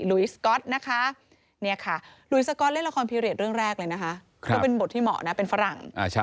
ลุวิสก็อตนะคะลุวิสก็อตเล่นละครพิเศษเรื่องแรกเลยนะคะก็เป็นบทที่เหมาะนะเป็นฝรั่ง